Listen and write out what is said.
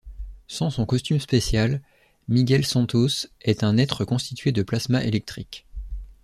Sans son costume spécial, Miguel Santos est un être constitué de plasma électrique.